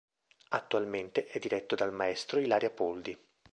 Attualmente è diretto dal M° Ilaria Poldi.